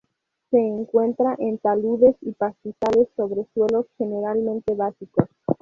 Se encuentra en taludes y pastizales sobre suelos generalmente básicos.